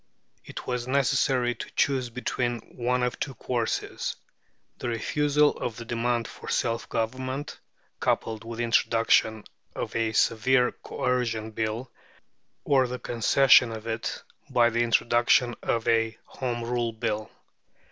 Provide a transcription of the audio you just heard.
It was necessary to choose between one of two courses; the refusal of the demand for self government, coupled with the introduction of a severe Coercion Bill, or the concession of it by the introduction of a Home Rule Bill.